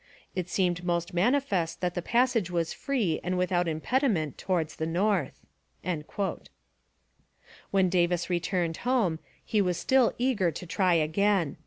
It seemed most manifest that the passage was free and without impediment towards the north.' When Davis returned home, he was still eager to try again.